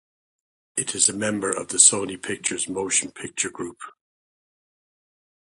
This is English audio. It is a member of the Sony Pictures Motion Picture Group.